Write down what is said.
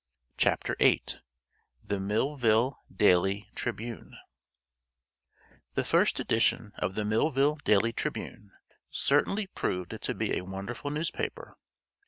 CHAPTER VIII THE MILLVILLE DAILY TRIBUNE The first edition of the Millville Daily Tribune certainly proved it to be a wonderful newspaper.